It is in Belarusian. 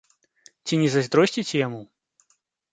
Ці не зайздросціце яму?